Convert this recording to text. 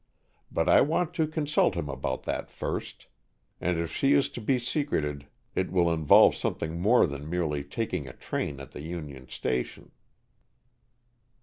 But I want to consult him about that, first. And if she is to be secreted, it will involve something more than merely taking a train at the Union Station."